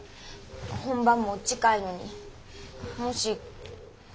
本番も近いのにもしこのまま。